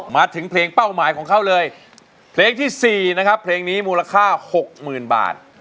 มาถึงเพลงเป้าหมายของเขาเลยเพลงที่๔นะครับเพลงนี้มูลค่า๖๐๐๐บาท